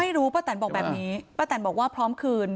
ป้าแตนบอกแบบนี้ป้าแตนบอกว่าพร้อมคืน